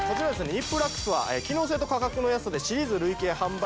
ＮＩＰＬＵＸは機能性と価格の安さでシリーズ累計販売